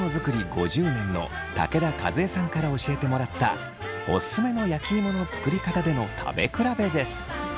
５０年の武田和江さんから教えてもらったオススメの焼き芋の作りかたでの食べ比べです。